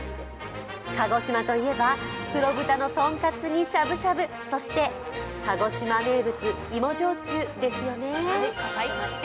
鹿児島といえば、黒豚のとんかつにしゃぶしゃぶ、そして鹿児島名物芋焼酎ですよね。